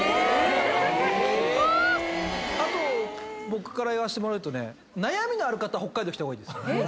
あと言わせてもらうと悩みのある方は北海道来た方がいいです。